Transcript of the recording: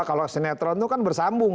kalau sinetron itu kan bersambung